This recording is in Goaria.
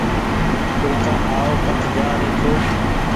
اُولڪآن آئو ڪٺ جآ رهي ڇو